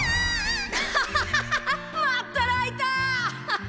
アハハハまた泣いた！